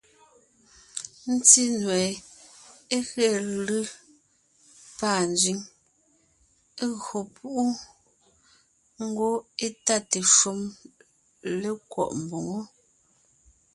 Ńtí nue é ge lʉ́ pâ nzẅíŋ, é gÿo púʼu, ngwɔ́ étáte shúm lékwɔ́ʼ mboŋó.